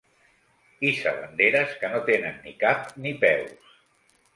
Hissa banderes que no tenen ni cap ni peus.